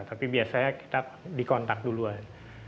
tapi biasanya kita dikontak duluan